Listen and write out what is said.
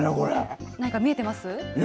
何か見えています。